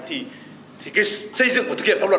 thì cái xây dựng và thực hiện pháp luật